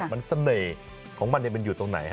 มันเสน่ห์ของมันมันอยู่ตรงไหน